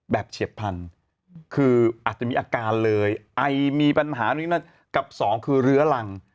เฉียบพันธุ์คืออาจจะมีอาการเลยไอมีปัญหานู่นนั่นกับสองคือเรื้อรัง